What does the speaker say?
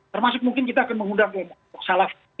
termasuk mungkin kita akan mengundang yang mempunyai salafat